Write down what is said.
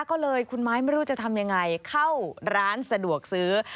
ก็เลยคุณไม้ไม่รู้จะทำยังไงเข้าร้านสะดวกซื้อ